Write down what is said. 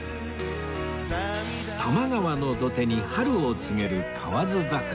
多摩川の土手に春を告げる河津桜